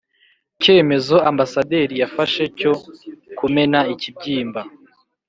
cyemezo ambasaderi yafashe cyo kumena ikibyimba